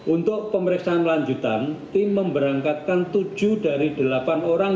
untuk pemeriksaan lanjutan tim memberangkatkan tujuh dari delapan orang